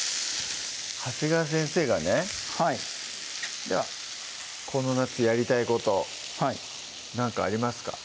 長谷川先生がねはいこの夏やりたいこと何かありますか？